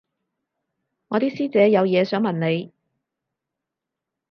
我啲師姐有嘢想問你